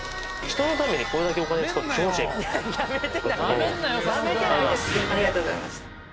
人のためにこれだけお金使って気持ちええ。